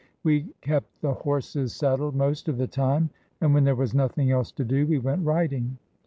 We kept the horses saddled most of the time, and when there was nothing else to do we went riding.